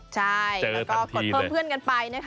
เจอทันทีเลยใช่แล้วก็กดเพิ่มเพื่อนกันไปนะคะ